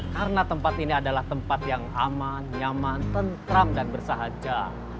karena tempat ini adalah tempat yang aman nyaman tenteram dan bersahaja